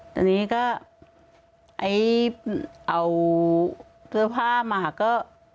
แต่นี่ก็เอาเสื้อผ้ามาก็